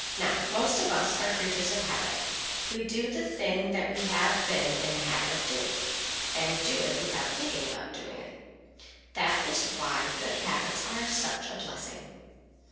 Now most of us are creatures of habit. We do the thing that we have been in the habit of doing, and do it without thinking anything about it. That is why good habits are such a blessing.